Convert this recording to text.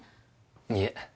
いえ。